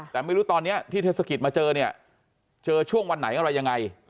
แต่ไม่รู้ตอนนี้ที่เทศกิจมาเจอเนี่ยเจอช่วงวันไหนอะไรยังไง